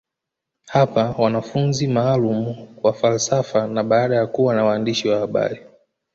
Hapa wanafunzi maalumu kwa falsafa na baada ya kuwa na waandishi wa habari